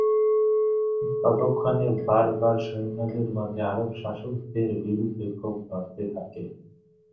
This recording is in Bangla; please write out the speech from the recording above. ততক্ষণে বার্বার সৈন্যদের মধ্যে আরব শাসকদের বিরুদ্ধে ক্ষোভ বাড়তে থাকে।